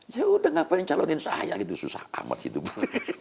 yaudah ngapain calonin saya gitu susah amat hidup